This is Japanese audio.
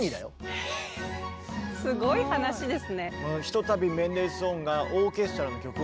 えぇすごい話ですね。